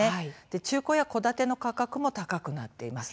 中古や戸建ての価格も高くなっています。